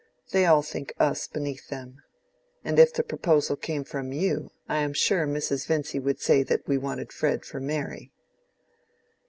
They all think us beneath them. And if the proposal came from you, I am sure Mrs. Vincy would say that we wanted Fred for Mary."